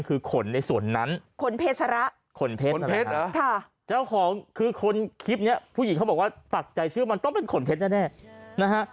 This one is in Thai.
ขนเพชรขนเพชรหรอคือคนคลิปนี้ผู้หญิงเขาบอกว่าตักใจชื่อมันต้องเป็นขนเพชรแน่นะฮะ